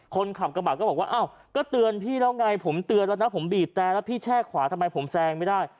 คนขับกระบะก็บอกว่าอ้าวก็เตือนพี่แล้วไงผมเตือนแล้วนะผมบีบแต่แล้วพี่แช่ขวาทำไมผมแซงไม่ได้